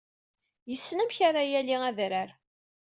Yessen amek ara yaley adrar.